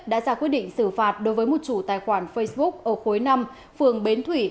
đã ra quyết định xử phạt đối với một chủ tài khoản facebook ở khối năm phường bến thủy